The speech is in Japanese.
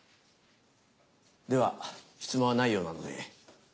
では質問はないようなので。